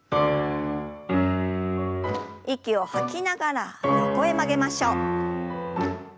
息を吐きながら横へ曲げましょう。